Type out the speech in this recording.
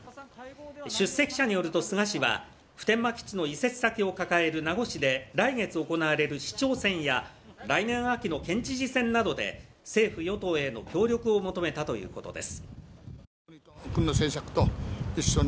出席者によると菅氏は普天間基地の移設先を抱える名護市で名護市で来月行われる市長選や来年秋の県知事選などで政府・与党への協力を求めたということです。